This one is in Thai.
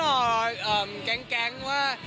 แล้วก็ต้องรอแก๊งว่า